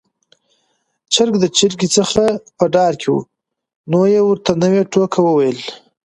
چرګ د چرګې څخه په ډار کې و، نو يې ورته نوې ټوکې وويلې.